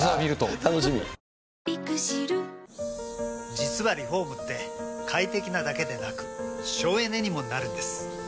実はリフォームって快適なだけでなく省エネにもなるんです。